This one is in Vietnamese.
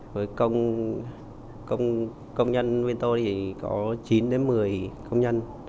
với công nhân công nhân với tôi thì có chín đến một mươi công nhân